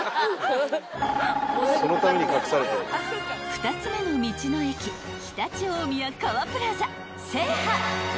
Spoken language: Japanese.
［２つ目の道の駅常陸大宮かわプラザ制覇］